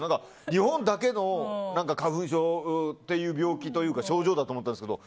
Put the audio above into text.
日本だけの花粉症っていう病気というか症状だと思ったんですけど。